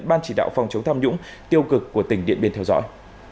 ban chỉ đạo phòng chống tham nhũng tiêu cực của tỉnh điện biên theo dõi